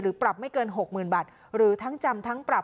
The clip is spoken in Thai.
ปรับไม่เกิน๖๐๐๐บาทหรือทั้งจำทั้งปรับ